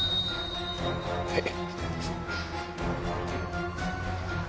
はい。